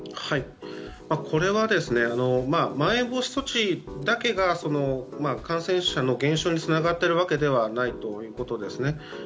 これはまん延防止措置だけが感染者の減少につながっているわけではないんですね。